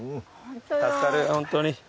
助かるホントに。